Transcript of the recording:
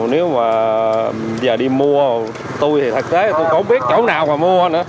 nếu mà giờ đi mua tôi thì thật tế tôi không biết chỗ nào mà mua nữa